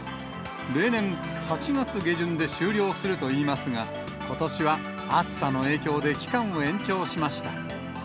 例年、８月下旬で終了するといいますが、ことしは暑さの影響で期間を延長しました。